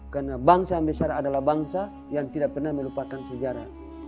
karena bangsa yang besar adalah bangsa yang tidak pernah melupakan sejarah